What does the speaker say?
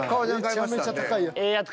めちゃめちゃ高いやつ。